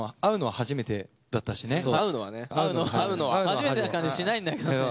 初めてな感じしないんだけどね。